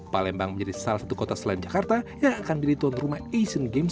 palembang menjadi salah satu kota selain jakarta yang akan menjadi tuan rumah asian games dua ribu delapan belas